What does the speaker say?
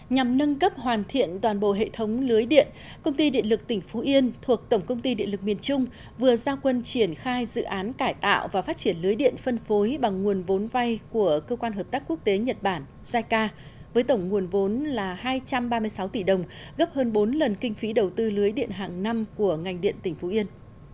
nhằm nâng cấp hoàn thiện toàn bộ hệ thống lưới điện công ty điện lực tỉnh phú yên thuộc tổng công ty điện lực miền trung vừa giao quân triển khai dự án cải tạo và phát triển lưới điện phân phối bằng nguồn vốn vay của cơ quan hợp tác quốc tế nhật bản jica với tổng nguồn vốn là hai trăm ba mươi sáu tỷ đồng gấp hơn bốn lần kinh phí đầu tư lưới điện hàng năm của ngành điện tỉnh phú yên